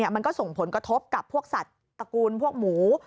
มันก็ส่งผลกระทบกับพวกสัตว์ตระกูลพวกหมู